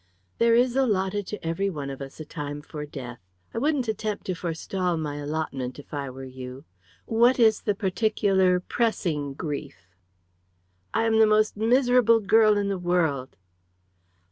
"There is allotted to every one of us a time for death. I wouldn't attempt to forestall my allotment, if I were you. What is the particular, pressing grief?" "I am the most miserable girl in the world!"